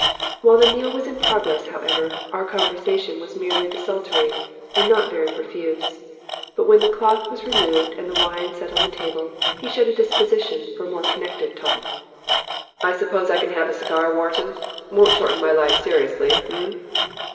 While the meal was in progress, however, our conversation was merely desultory and not very profuse; but when the cloth was removed and the wine set on the table he showed a disposition for more connected talk. "I suppose I can have a cigar, Wharton? Won't shorten my life seriously, h'm?"